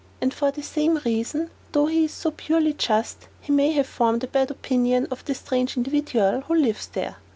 And for the same reason though he is so purely just he may have formed a bad opinion of the strange individual who lives there.